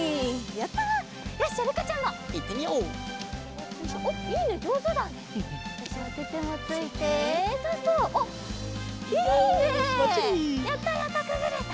やったやったくぐれた！